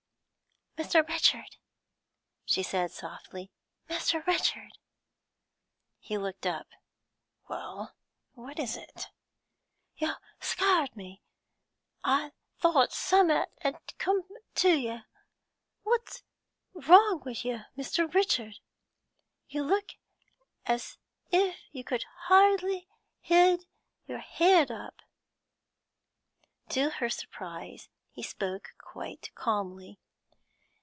'Mr. Richard!' she said softly. 'Mr. Richard!' He looked up. 'Well? What is it?' 'Yo' scahr'd me; ah thowt summat 'ad come to yo'. What's wrong wi' yo', Mr. Richard? You look as if you could hardly he'd your heead up.' To her surprise he spoke quite calmly.